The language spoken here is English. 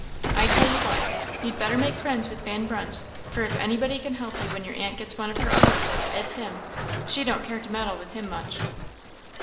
I tell you what you'd better make friends with Van Brunt, for if anybody can help you when your aunt gets one of her ugly fits, it's him; she don't care to meddle with him much."